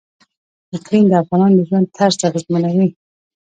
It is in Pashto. اقلیم د افغانانو د ژوند طرز اغېزمنوي.